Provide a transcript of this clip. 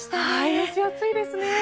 蒸し暑いですね。